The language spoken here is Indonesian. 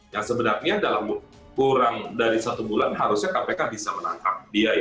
yang sebenarnya dalam kurang dari satu bulan harusnya kpk bisa menangkap